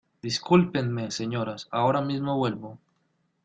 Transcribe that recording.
Discúlpenme, señoras. Ahora mismo vuelvo .